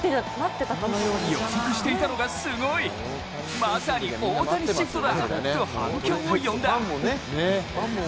予測していたのがすごいまさに大谷シフトだと反響を呼んだ。